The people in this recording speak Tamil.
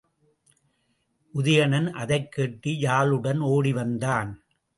உதயணன் அதைக் கேட்டு யாழுடன் ஒடிவந்தான்.